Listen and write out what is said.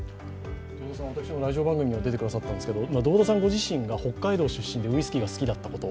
堂田さん、私のラジオ番組にも出てくださったんですけど堂田さんご自身が、北海道出身でウイスキーがお好きだということ